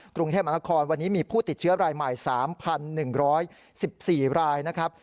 กรุงเทพมหานครวันนี้มีผู้ติดเชื้อรายใหม่๓๑๑๔รายนะครับ